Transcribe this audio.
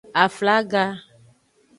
Aflaga.